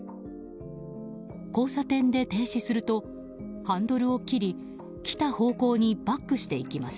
交差点で停止するとハンドルを切り来た方向にバックしていきます。